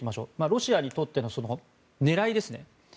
ロシアにとっての狙いですね。